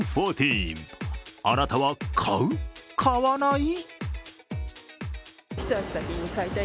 あなたは買う、買わない？